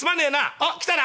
「おっ来たな。